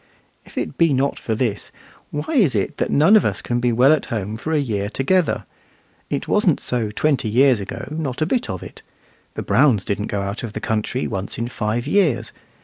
If it be not for this, why is it that none of us can be well at home for a year together? It wasn't so twenty years ago, not a bit of it. The Browns didn't go out of the country once in five years.